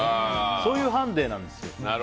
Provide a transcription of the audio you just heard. そういうハンデなんですよ。